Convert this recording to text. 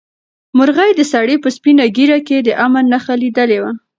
مرغۍ د سړي په سپینه ږیره کې د امن نښه لیدلې وه.